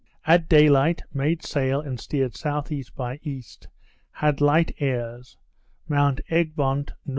At day light, made sail and steered S.E. by E.; had light airs; Mount Egmont N.N.